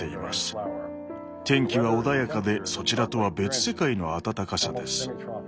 天気は穏やかでそちらとは別世界の暖かさです。